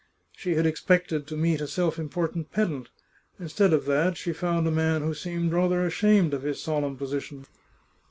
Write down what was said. She had expected to meet a self important pedant ; instead of that she found a man who seemed rather ashamed of his solemn position.